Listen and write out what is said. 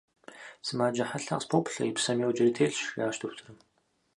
– Сымаджэ хьэлъэ къыспоплъэ: и псэм йоджэри телъщ, - жиӏащ дохутырым.